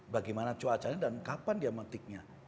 bagaimana cuacanya dan kapan dia memetiknya